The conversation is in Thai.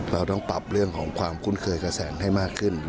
เราต้องปรับเรื่องของความคุ้นเคยกระแสให้มากขึ้น